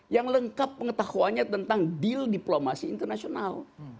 yang lengkap pengetahuannya tentang deal diplomasi internasional